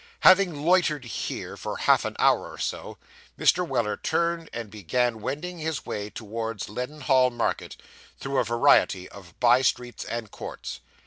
Having loitered here, for half an hour or so, Mr. Weller turned, and began wending his way towards Leadenhall Market, through a variety of by streets and courts.